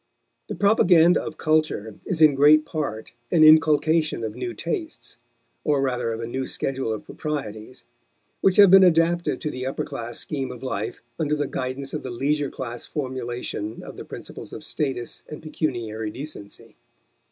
The propaganda of culture is in great part an inculcation of new tastes, or rather of a new schedule of proprieties, which have been adapted to the upper class scheme of life under the guidance of the leisure class formulation of the principles of status and pecuniary decency.